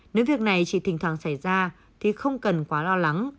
nếu việc này chỉ thỉnh thoảng xảy ra thì không cần quá lo lắng